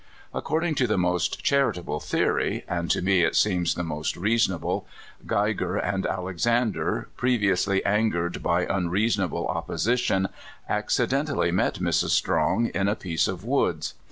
According to the most charitable theory (and to me it seems the most reasonable), Geiger and Alexander, previously angered by unreasonable opposition, accidentally met Mrs. Strong in a piece of woods.